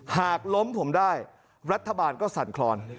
หากล้มผมได้รัฐบาลก็สั่นคลอน